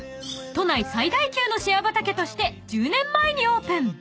［都内最大級のシェア畑として１０年前にオープン］